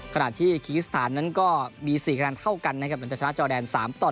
ขณะที่คีกิสถานนั้นก็มีสี่คะแนนเท่ากันนะครับมันจะชนะจอดแดน๓๑